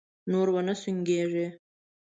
نور و نه سونګېږې!